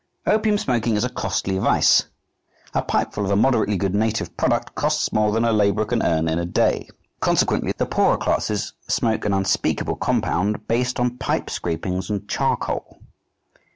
Opium smoking is a costly vice. A pipefull of a moderately good native product costs more than a labourer can earn in a day; consequently the poorer classes smoke an unspeakable compound based on pipe scrapings and charcoal.